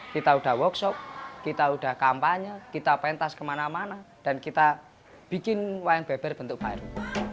kita sudah workshop kita udah kampanye kita pentas kemana mana dan kita bikin wayang beber bentuk baru